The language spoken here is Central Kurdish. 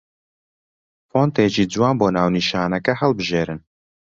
فۆنتێکی جوان بۆ ناونیشانەکە هەڵبژێن